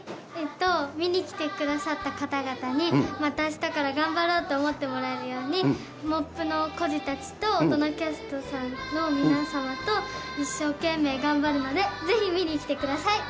見に来てくださった方々にまた明日から頑張ろうと思ってもらえるようにモップの孤児たちと大人キャストさんの皆様と一生懸命頑張るのでぜひ見に来てください。